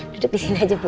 duduk di sini aja bu